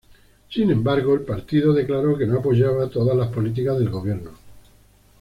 Sin embargo, el partido declaró que no apoyaba todas las políticas del gobierno.